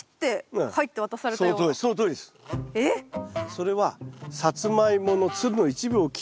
それはサツマイモのつるの一部を切ったですね